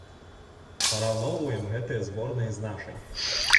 Параўноўваем гэтыя зборныя з нашай.